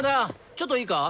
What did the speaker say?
ちょっといいか？